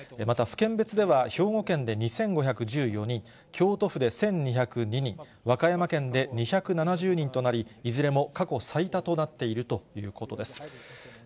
また、府県別では兵庫県で２５１４人、京都府で１２０２人、和歌山県で２７０人となり、いずれも過去最多となっているということです。